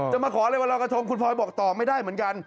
มาขออะไรวันรอยกระทงคุณพลอยบอกต่อไม่ได้เหมือนกัน